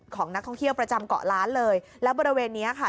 ของนักท่องเที่ยวประจำเกาะล้านเลยแล้วบริเวณเนี้ยค่ะ